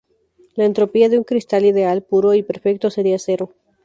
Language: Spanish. La entropía de un cristal ideal puro y perfecto sería cero.